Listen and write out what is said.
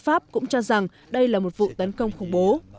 pháp cũng cho rằng đây là một vụ tấn công khủng bố